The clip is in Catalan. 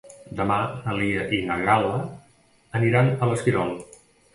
Demà na Lia i na Gal·la aniran a l'Esquirol.